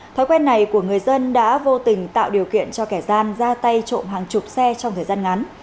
thói quen này của người dân đã vô tình tạo điều kiện cho kẻ gian ra tay trộm hàng chục xe trong thời gian ngắn